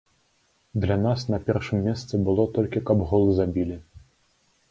Для нас на першым месцы было толькі каб гол забілі.